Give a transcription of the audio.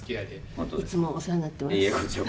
いつもお世話になっています。